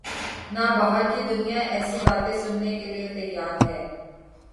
نہ باہر کی دنیا ایسی باتیں سننے کیلئے تیار ہے۔